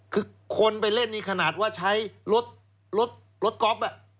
คือคนไปเล่นนี่ขนาดว่าใช้รถรถก๊อฟ